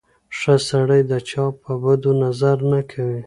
ښه سړی د چا په بدو نظر نه کوي.